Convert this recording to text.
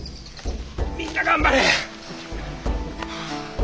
みんな頑張れ！